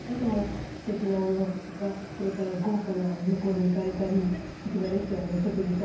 すてきなお洋服とかそれから豪華な旅行に行かれたりすてきなレストランでお食事されたり。